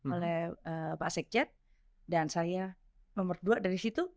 oleh pak sekjen dan saya nomor dua dari situ